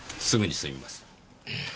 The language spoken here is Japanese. すぐに済みます。